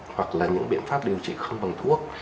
hoặc là những biện pháp điều trị không bằng thuốc